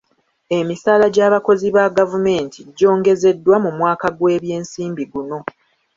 Emisaala gy'abakozi ba gavumenti gyongezeddwa mu mwaka gw'ebyensimbi guno.